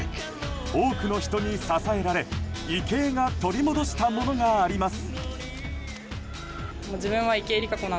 多くの人に支えられ、池江が取り戻したものがあります。